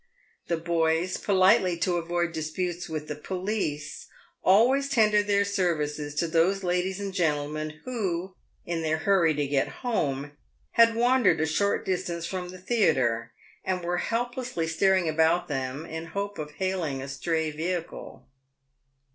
The boys, politely to avoid disputes with the police, always tendered their services to those ladies and gentlemen, who, in their hurry to get home, had wandered a short distance from the theatre, and were Helplessly staring about them in the hope of hailing a stray vehicle.